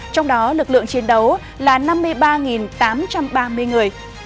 trong đó lực lượng chiến đấu là năm mươi ba tám trăm ba mươi người